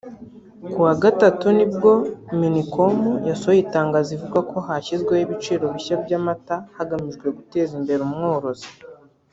Ku wa Gatatu nibwo Minicom yasohoye itangazo ivuga ko hashyizweho ibiciro bishya by’amata hagamijwe guteza imbere umworozi